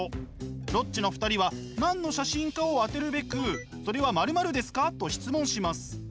ロッチの２人は何の写真かを当てるべくそれは〇〇ですか？と質問します。